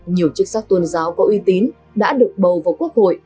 nhiều chức sắc tôn giáo có uy tín đã được bầu vào quốc hội